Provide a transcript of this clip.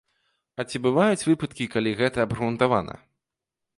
А ці бываюць выпадкі, калі гэта абгрунтавана?